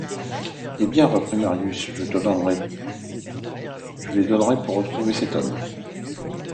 Eh bien, reprit Marius, je les donnerais pour retrouver cet homme !